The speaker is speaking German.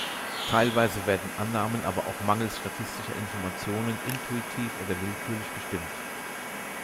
Teilweise werden Annahmen aber auch mangels statistischer Information intuitiv oder willkürlich bestimmt.